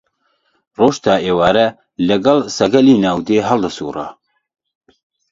ڕۆژ تا ئێوارێ لەگەڵ سەگەلی ناو دێ هەڵدەسووڕا